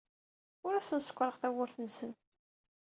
Ur asen-sekkṛeɣ tawwurt-nsen.